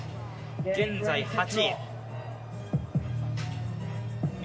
現在８位。